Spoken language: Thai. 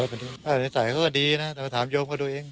ภาษานิสัยเขาก็ดีนะถ้าถามยกก็ดูเอง